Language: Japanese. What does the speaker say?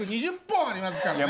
３２０本ありますからね。